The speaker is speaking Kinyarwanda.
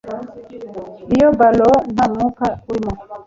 Iyo balon ntamwuka urimo